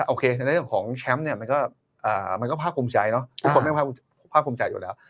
โอเคในเรื่องของแชมป์มันก็ภาคภูมิใจทุกคนมันภาคภูมิใจอยู่แล้ว